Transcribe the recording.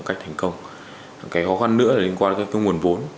cái khó khăn nữa là liên quan đến nguồn vốn